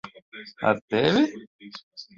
Ar tevi?